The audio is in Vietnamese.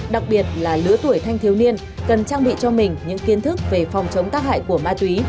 đặc biệt là lứa tuổi thanh thiếu niên cần trang bị cho mình những kiến thức về phòng chống tác hại của ma túy